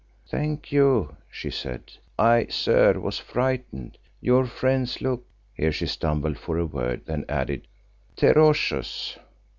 "Thank you," she said. "I, sir, was frightened. Your friends look——" Here she stumbled for a word, then added, "terrocious."